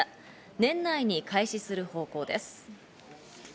年内に開始する方向です。